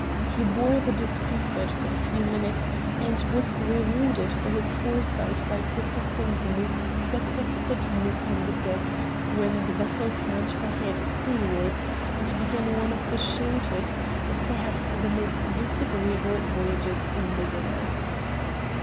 He bore the discomfort for a few minutes, and was rewarded for his foresight by possessing the most sequestered nook on deck when the vessel turned her head seawards and began one of the shortest, but perhaps the most disagreeable, voyages in the world.